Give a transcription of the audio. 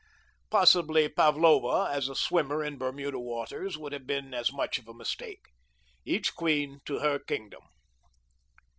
Possibly Pavlowa as a swimmer in Bermuda waters would have been as much of a mistake. Each queen to her kingdom.